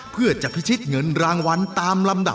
เพื่อจะพิชิตเงินรางวัลตามลำดับ